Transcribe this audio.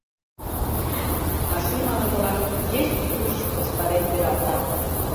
А шӱм ала-молан йыч-юч корштарен пералта...